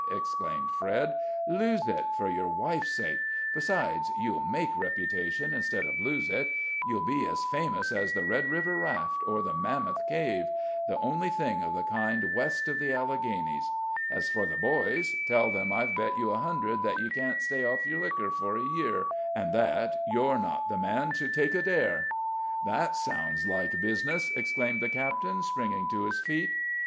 exclaimed Fred. "Lose it, for your wife's sake. Besides, you'll make reputation instead of lose it: you'll be as famous as the Red River Raft, or the Mammoth Cave the only thing of the kind west of the Alleghanies. As for the boys, tell them I've bet you a hundred that you can't stay off your liquor for a year, and that, you're not the man to take a dare." "That sounds like business," exclaimed the captain springing to his feet.